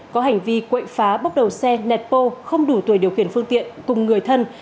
có hành vi quậy phá bốc đầu xe netpo không đủ tuổi điều khiển phương tiện cùng người thân